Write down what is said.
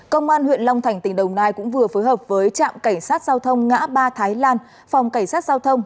công an huyện long thành tỉnh đồng nai cũng vừa phối hợp với trạm cảnh sát giao thông ngã ba thái lan phòng cảnh sát giao thông